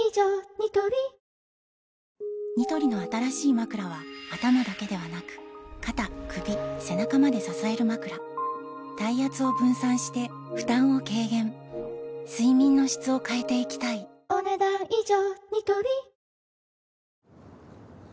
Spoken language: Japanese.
ニトリニトリの新しいまくらは頭だけではなく肩・首・背中まで支えるまくら体圧を分散して負担を軽減睡眠の質を変えていきたいお、ねだん以上。